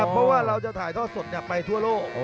เพราะว่าเราจะถ่ายทอดสดไปทั่วโลก